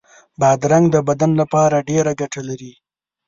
بادرنګ د بدن لپاره ډېره ګټه لري.